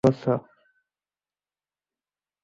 মা, এইবার বাড়াবাড়ি করছো।